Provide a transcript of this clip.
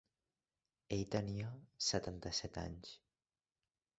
Ell tenia setanta-set anys.